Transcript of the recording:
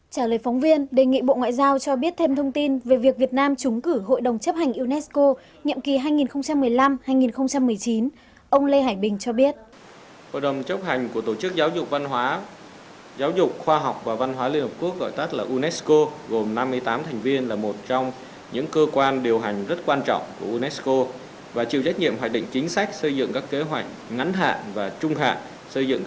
trả lời phóng viên đề nghị bộ ngoại giao cho biết thêm thông tin về việc việt nam